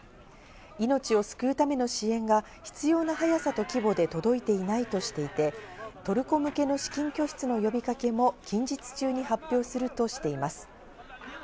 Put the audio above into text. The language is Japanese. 命を救うための支援が必要な早さと規模で届いていないとしていて、トルコ向けの資金拠出の呼びかけも近日中に発表するとしています。